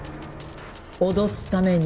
脅すために。